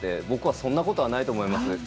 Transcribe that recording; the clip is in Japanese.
僕はそんなことはないと思います。